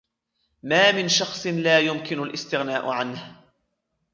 ما من شخص لا يمكن الاستغناء عنه.